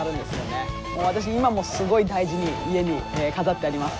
私今もすごい大事に家に飾ってあります。